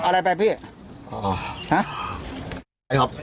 แล้วกิน๓๐อะไรไปพี่